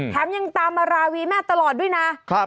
ยังตามมาราวีแม่ตลอดด้วยนะ